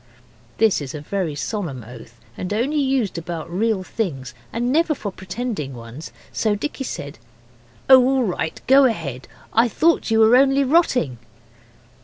This is a very solemn oath, and only used about real things, and never for pretending ones, so Dicky said 'Oh, all right; go ahead! I thought you were only rotting.